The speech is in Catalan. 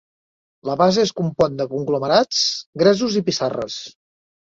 La base es compon de conglomerats, gresos i pissarres.